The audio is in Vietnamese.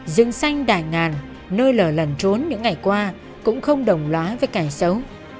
dương xanh đại ngàn nơi lở lần trốn những ngày qua cũng không đồng lóa với cảnh xấu